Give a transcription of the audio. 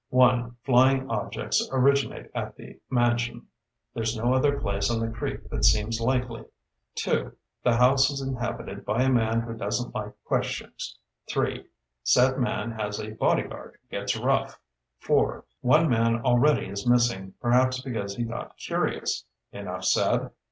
"One, flying objects originate at the mansion. There's no other place on the creek that seems likely. Two, the house is inhabited by a man who doesn't like questions. Three, said man has a bodyguard who gets rough. Four, one man already is missing, perhaps because he got curious. Enough said?"